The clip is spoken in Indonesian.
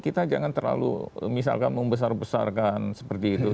kita jangan terlalu misalkan membesar besarkan seperti itu